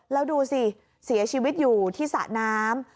แล้วดูสิเสียชีวิตอยู่ที่สระน้ำ